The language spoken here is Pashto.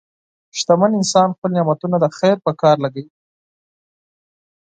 شتمن انسان خپل نعمتونه د خیر په کار لګوي.